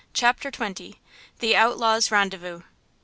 CHAPTER XX. THE OUTLAW'S RENDEZVOUS.